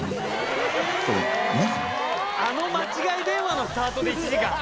あの間違い電話のスタートで１時間！？